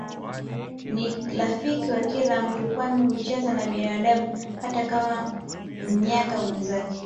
Ni rafiki wa kila mtu kwani hucheza na binadamu Kama mnyaka mwenzake